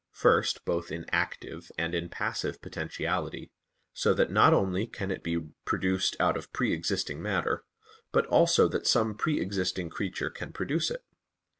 First, both in active and in passive potentiality, so that not only can it be produced out of pre existing matter, but also that some pre existing creature can produce it.